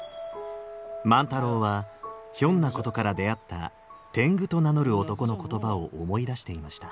万太郎はひょんなことから出会った「天狗」と名乗る男の言葉を思い出していました。